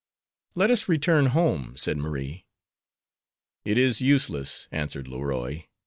"Let us return home," said Marie. "It is useless," answered Leroy.